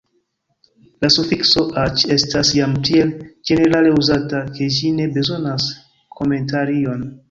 La sufikso _aĉ_ estas jam tiel ĝenerale uzata, ke ĝi ne bezonas komentarion.